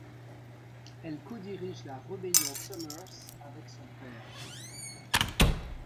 Elle codirige la Rébellion Summers avec son père.